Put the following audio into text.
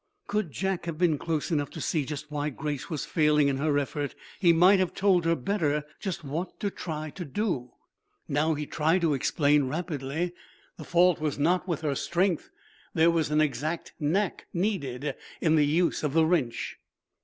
Could Jack have been close enough to see just why Grace was failing in her effort he might have told her better just what to try to do. Now, he tried to explain, rapidly. The fault was not with her strength; there was an exact knack needed in the use of the wrench.